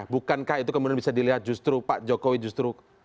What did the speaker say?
bukankah itu kemudian bisa dilihat justru pak jokowi justru